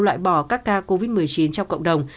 loại bỏ các ca covid một mươi chín trong cộng đồng